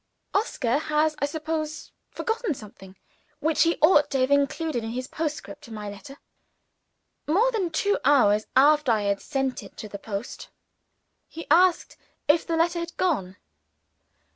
Oscar has (I suppose) forgotten something which he ought to have included in his postscript to my letter. More than two hours after I had sent it to the post, he asked if the letter had gone.